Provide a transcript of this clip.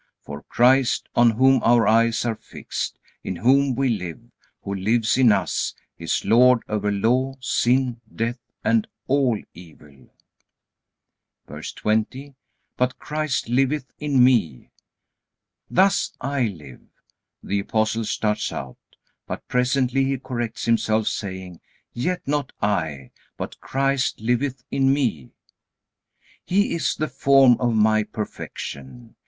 For Christ, on whom our eyes are fixed, in whom we live, who lives in us, is Lord over Law, sin, death, and all evil. VERSE 20. But Christ liveth in me. "Thus I live," the Apostle starts out. But presently he corrects himself, saying, "Yet not I, but Christ liveth in me." He is the form of my perfection.